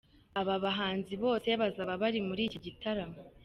Aba bahanzi bose bazaba bari muri iki gitaramo.